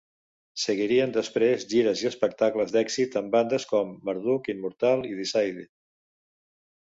Seguirien després gires i espectacles d'èxit amb bandes com Marduk, Immortal i Deicide.